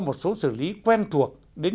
một số xử lý quen thuộc đến